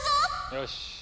よし。